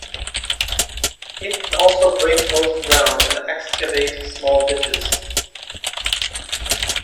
It can also break frozen ground and excavate small ditches.